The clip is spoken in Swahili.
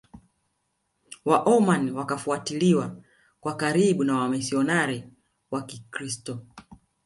waoman wakafuatiliwa kwa karibu na wamishionari wa kikristo